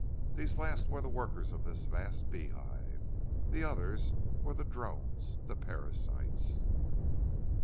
These last were the workers of this vast beehive; the others were the drones, the parasites.